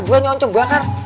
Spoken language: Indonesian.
buannya oncom bakar